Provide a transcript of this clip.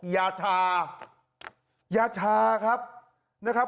ยาชายาชาครับนะครับ